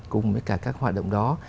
cùng với cả các hoạt động đó